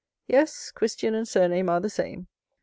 "Yes,—Christian and surname are the same.